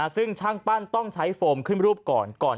ซึ่งช่างปั้นต้องใช้โฟมขึ้นรูปก่อน